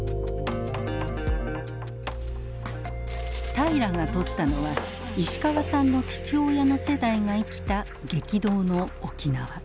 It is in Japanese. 平良が撮ったのは石川さんの父親の世代が生きた激動の沖縄。